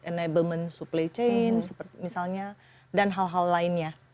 enablement supply chain misalnya dan hal hal lainnya